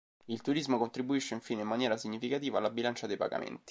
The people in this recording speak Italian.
Il turismo contribuisce infine in maniera significativa alla bilancia dei pagamenti.